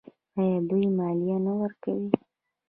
آیا دوی مالیه نه ورکوي؟